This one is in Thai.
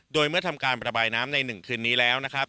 โดยเมื่อทำการประบายน้ำใน๑คืนนี้แล้วนะครับ